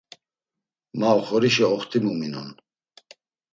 Ma oxorişa oxtimu minon.